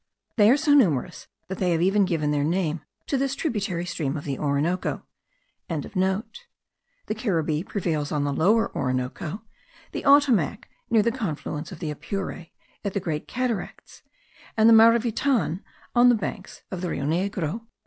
They are so numerous, that they have even given their name to this tributary stream of the Orinoco.); the Caribbee prevails on the Lower Orinoco; the Ottomac, near the confluence of the Apure, at the Great Cataracts; and the Maravitan, on the banks of the Rio Negro.